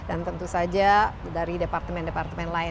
atau pekerja dari departemen departemen lain